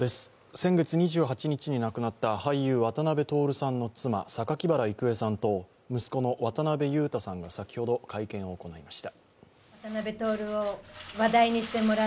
先月２８日に亡くなった俳優・渡辺徹さんの妻榊原郁恵さんと息子の渡辺裕太さんが先ほど会見しました。